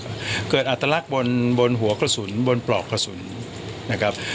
อัตลักษณ์อัตลักษณ์บนบนหัวกระสุนบนปลอกคุณซินะครับ